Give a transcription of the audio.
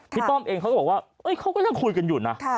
ป้อมเองเขาก็บอกว่าเขาก็ยังคุยกันอยู่นะ